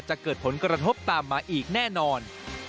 จะเกิดผลกระทบตามมาอีกแน่นอน